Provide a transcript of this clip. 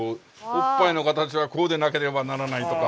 おっぱいの形はこうでなければならないとか。